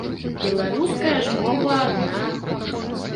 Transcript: Беларуская ж мова адна.